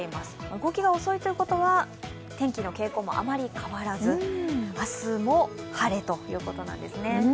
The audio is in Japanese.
動きが遅いということは天気の傾向もあまり変わらず明日も晴れということなんですね。